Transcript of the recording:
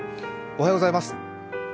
おはようございます。